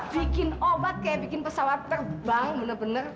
bikin obat kayak bikin pesawat terbang bener bener